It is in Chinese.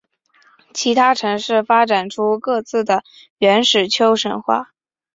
其他城市发展出各自的原始丘神话。